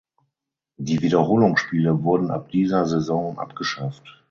Die Wiederholungsspiele wurden ab dieser Saison abgeschafft.